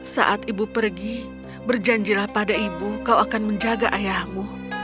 saat ibu pergi berjanjilah pada ibu kau akan menjaga ayahmu